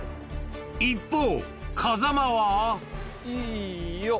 一方風間はいよっ。